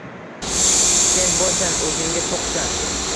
Sen boysan, oʻzingga toʻqsan